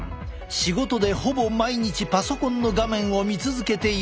仕事でほぼ毎日パソコンの画面を見続けているという。